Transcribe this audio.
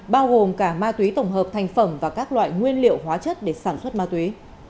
bao gồm cả ma túy tổng hợp thành phẩm và các loại nguyên liệu hóa chất để sản xuất ma túy